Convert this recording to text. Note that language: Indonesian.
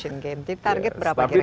jadi target berapa kira kira